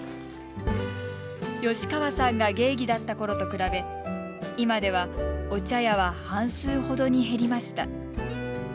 吉川さんが芸妓だったころと比べ今では、お茶屋は半数ほどに減りました。